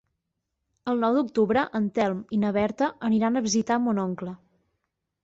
El nou d'octubre en Telm i na Berta aniran a visitar mon oncle.